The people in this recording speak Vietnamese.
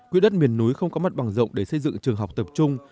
quỹ đất miền núi không có mặt bằng rộng để xây dựng trường học tập trung